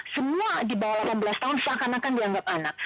semua di bawah delapan belas tahun seakan akan dianggap anak